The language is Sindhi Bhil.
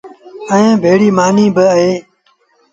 ائيٚݩٚ ڀيڙيٚ مآݩيٚ با اهي۔